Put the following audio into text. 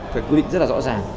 phải quy định rất là rõ ràng